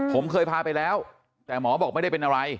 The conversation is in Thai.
ผมเคยพาไปแล้วแต่หมอบอกไม่ได้เป็นอะไร